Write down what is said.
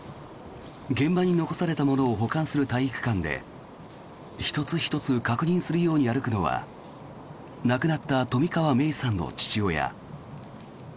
現場に残されたものを保管する体育館で１つ１つ確認するように歩くのは亡くなった冨川芽生さんの父親。